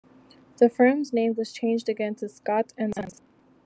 The firm's name was changed again, to Scott and Sons.